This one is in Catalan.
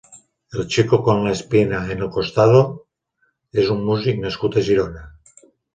El Chico Con La Espina En El Costado és un músic nascut a Girona.